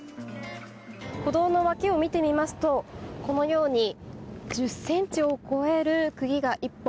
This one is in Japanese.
歩道の脇を見てみますとこのように１０ｃｍを超える釘が１本。